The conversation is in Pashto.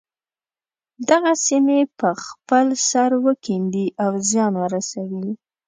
دغه سیمې په خپل سر وکیندي او زیان ورسوي.